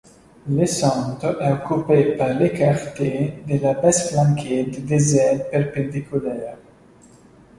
Le centre est occupé par le quartier de l'abbesse flanqué de deux ailes perpendiculaires.